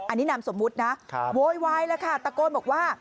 อันนี้นามสมมุตินะโวยวายแล้วค่ะตะโกนบอกว่า